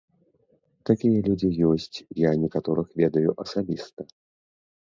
Такія людзі ёсць, я некаторых ведаю асабіста.